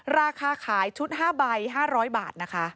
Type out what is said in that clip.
ราคาขายชุด๕ใบ๕๐๐บาทนะคะ